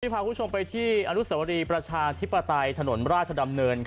พาคุณผู้ชมไปที่อนุสวรีประชาธิปไตยถนนราชดำเนิน